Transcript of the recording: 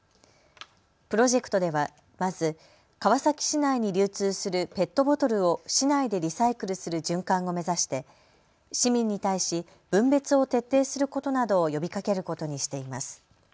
プロジェクトではまず川崎市内に流通するペットボトルを市内でリサイクルする循環を目指して市民に対し分別を徹底することなどを呼びかけることにしています。